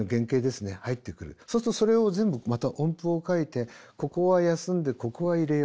そうするとそれを全部また音符を書いてここは休んでここは入れよう。